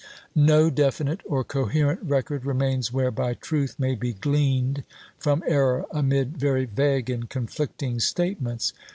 No definite or coherent record remains whereby truth may be gleaned from error amid very vague and conflicting statements.